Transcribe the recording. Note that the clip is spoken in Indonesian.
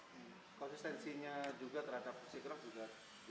konsistensinya juga terhadap musik rock juga cukup